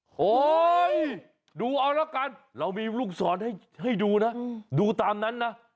โหดูเอาละกันเรามีลูกศรให้ดูนะดูตามนั้นนะ